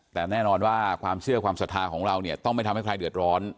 แต่แน่นอนว่าความเชื่อความศรัทธาของเราเนี่ยต้องไม่ทำให้ใครเดือดร้อน